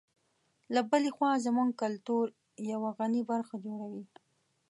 له بلې خوا زموږ کلتور یوه غني برخه جوړوي.